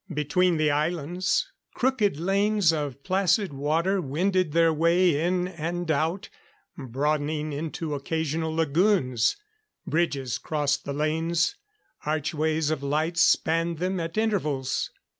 Between the islands, crooked lanes of the placid water wended their way in and out, broadening into occasional lagoons. Bridges crossed the lanes; archways of lights spanned them at intervals.